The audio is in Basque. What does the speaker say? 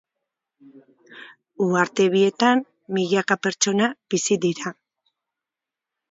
Uharte bietan milaka pertsona bizi dira.